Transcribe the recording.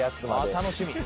楽しみ。